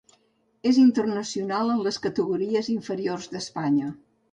És internacional en les categories inferiors d'Espanya.